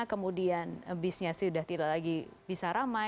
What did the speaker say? kemudian bisnya sudah tidak lagi bisa ramai